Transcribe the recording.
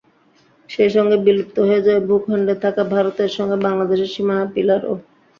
সেই সঙ্গে বিলুপ্ত হয়ে যাবে ভূখণ্ডে থাকা ভারতের সঙ্গে বাংলাদেশের সীমানা পিলারও।